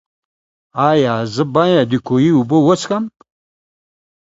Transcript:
ایا زه باید د کوهي اوبه وڅښم؟